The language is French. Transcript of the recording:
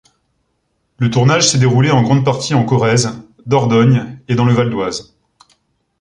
Le tournage s'est déroulé en grande partie en Corrèze, Dordogne et dans le Val-d'Oise.